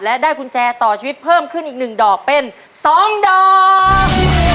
และได้กุญแจต่อชีวิตเพิ่มขึ้นอีก๑ดอกเป็น๒ดอก